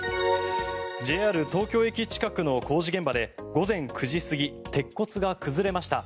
ＪＲ東京駅近くの工事現場で午前９時過ぎ鉄骨が崩れました。